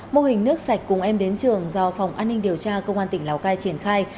mô hình nước sạch cùng em đến trường do phòng an ninh điều tra công an tỉnh lào cai triển khai